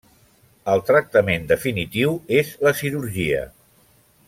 El tractament definitiu és la cirurgia.